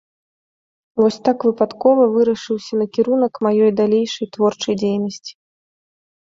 Вось так выпадкова вырашыўся накірунак маёй далейшай творчай дзейнасці.